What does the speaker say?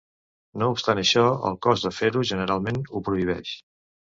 No obstant això, el cost de fer-ho generalment ho prohibeix.